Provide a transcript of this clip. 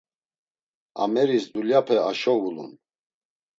Ameris dulyape aşo ulun.